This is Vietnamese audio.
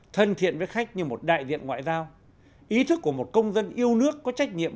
thân thiện với khách như một đại diện ngoại giao ý thức của một công dân yêu nước có trách nhiệm